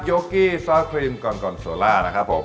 กี้ซอสครีมก่อนโซล่านะครับผม